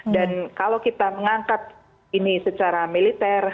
dan kalau kita mengangkat ini secara militer